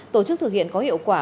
tổ chức thực hiện có hiệu quả